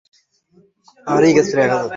তাঁর প্রকৃত নাম মুজিবুর রহমান মোল্লা।